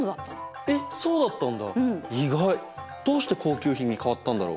どうして高級品に変わったんだろう？